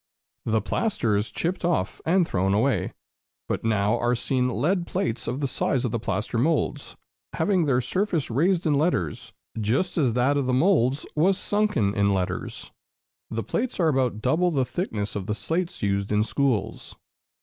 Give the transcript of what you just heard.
The plaster is chipped off and thrown away; but now are seen lead plates of the size of the plaster moulds, having their surface raised in letters, just as that of the moulds was sunken in letters. The plates are about double the thickness of the slates used in schools.